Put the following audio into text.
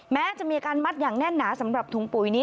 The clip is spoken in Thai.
แม้จะมีการมัดอย่างแน่นหนาสำหรับถุงปุ๋ยนี้